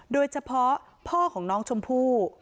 โดยเฉพาะพ่อของน้องชมพู่